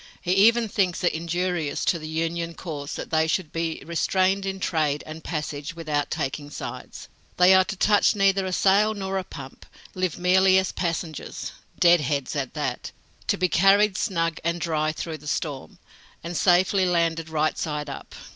He even thinks it injurious to the Union cause that they should be restrained in trade and passage without taking sides. They are to touch neither a sail nor a pump live merely as passengers (deadheads, at that!) to be carried snug and dry through the storm, and safely landed right side up!